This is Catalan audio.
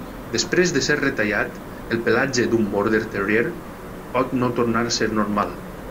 Després de ser retallat, el pelatge d'un Border terrier pot no tornar a ser normal.